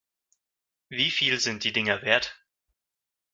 Wie viel sind die Dinger wert?